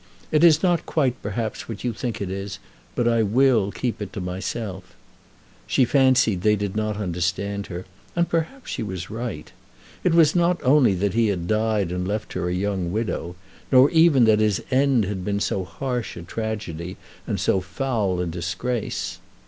It is not quite, perhaps, what you think it is, but I will keep it to myself." She fancied that they did not understand her, and perhaps she was right. It was not only that he had died and left her a young widow; nor even that his end had been so harsh a tragedy and so foul a disgrace!